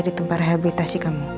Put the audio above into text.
di tempat rehabilitasi kamu